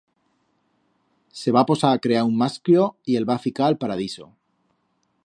Se va posar a crear un mascllo y el va ficar a'l Paradiso.